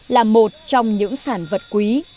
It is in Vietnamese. là một trong những sản vật quý